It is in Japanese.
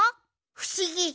ふしぎ！